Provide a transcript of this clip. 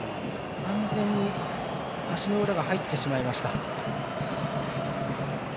完全に足の裏が入ってしまいました。